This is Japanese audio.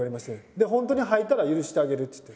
で「本当に吐いたら許してあげる」っつって。